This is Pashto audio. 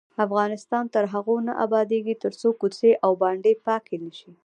افغانستان تر هغو نه ابادیږي، ترڅو کوڅې او بانډې پاکې نشي.